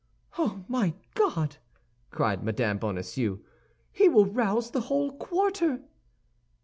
"Oh, my God!" cried Mme. Bonacieux, "he will rouse the whole quarter."